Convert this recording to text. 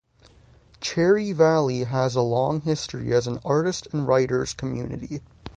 Cherry Valley has a long history as an artist and writer's community.